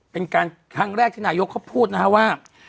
เป็นการครั้งแรกที่นายกเขาพูดนะครับว่า